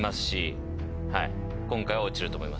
はい今回は落ちると思います。